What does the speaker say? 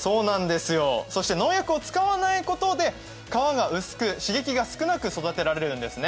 農薬を使わないことで皮が薄く刺激が少なく育てられるんですね。